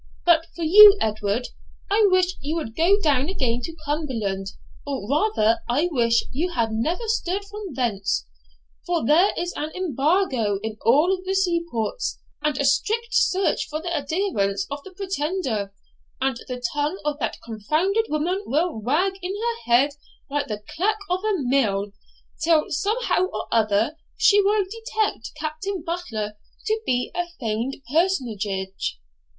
But for you, Edward, I wish you would go down again to Cumberland, or rather I wish you had never stirred from thence, for there is an embargo in all the seaports, and a strict search for the adherents of the Pretender; and the tongue of that confounded woman will wag in her head like the clack of a mill, till somehow or other she will detect Captain Butler to be a feigned personage.'